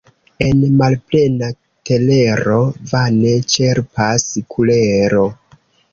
El malplena telero vane ĉerpas kulero.